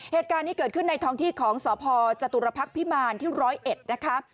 เหตุการณ์นี้เกิดขึ้นในท้องที่ของสพจตุรพักษ์พิมารที่๑๐๑นะคะ